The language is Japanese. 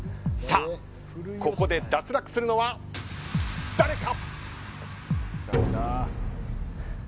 ここで脱落するのは、誰か。